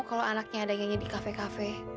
kalau anaknya ada yang di kafe kafe